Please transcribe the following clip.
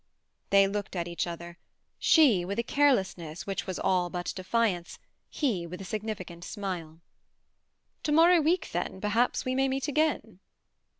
They looked at each other—she with a carelessness which was all but defiance, he with a significant smile. "To morrow week, then, perhaps we may meet again."